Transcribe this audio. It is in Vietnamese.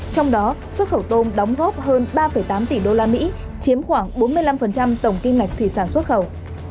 trong đó xuất khẩu tôm đóng góp hơn ba tám tỷ usd chiếm khoảng bốn mươi năm tổng kim ngạch thủy sản xuất khẩu